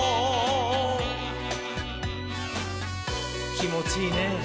きもちいいねぇ。